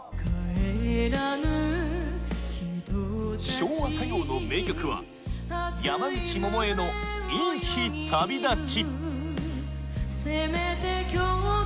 昭和歌謡の名曲は山口百恵の『いい日旅立ち』